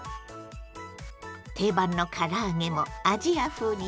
定番のから揚げもアジア風に大変身！